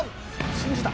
信じた！